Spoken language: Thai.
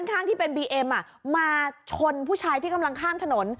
ข้างที่เป็นบีเอ็มมาชนผู้ชายที่กำลังข้ามถนน